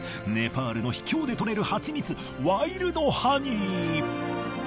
ネパールの秘境で採れるハチミツワイルドハニー。